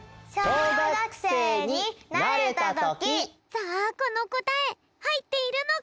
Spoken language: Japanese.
さあこのこたえはいっているのか！？